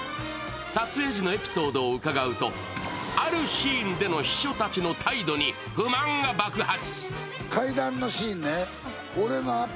撮影時のエピソードを伺うとあるシーンでの秘書たちの態度に不満が爆発。